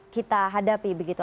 kita hadapi begitu